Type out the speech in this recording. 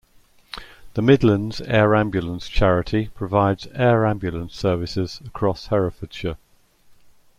The Midlands Air Ambulance charity provides air ambulance services across Herefordshire.